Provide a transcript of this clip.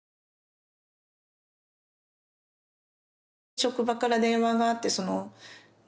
職場から電話があってそのね